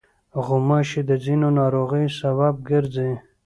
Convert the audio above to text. غوماشې د ځینو ناروغیو سبب ګرځي.